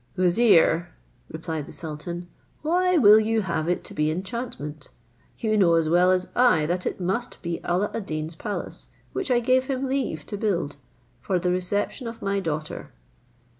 "Vizier," replied the sultan, "why will you have it to be enchantment? You know as well as I that it must be Alla ad Deen's palace, which I gave him leave to build, for the reception of my daughter.